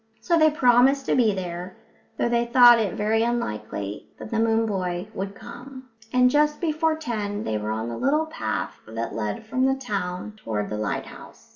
So they promised to be there, though they thought it very likely that the moon boy wouldn't come; and just before ten they were on the little path that led from the town toward the lighthouse.